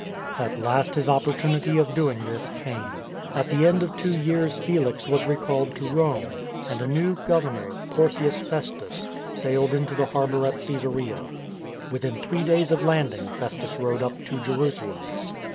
At last his opportunity of doing this came. At the end of two years Felix was recalled to Rome, and a new governor, Porcius Festus, sailed into the harbour at Csesarea. Within three days of landing Festus rode up to Jerusalem.